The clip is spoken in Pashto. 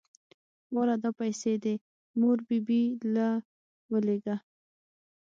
واله دا پيسې دې مور بي بي له ولېګه.